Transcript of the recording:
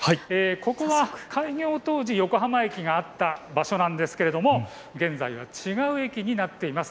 ここは開業当時、横浜駅があった場所なんですけれども現在は違う駅になっています。